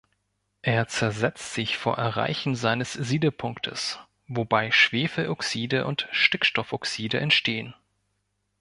Er zersetzt sich vor Erreichen seines Siedepunktes, wobei Schwefeloxide und Stickstoffoxide entstehen.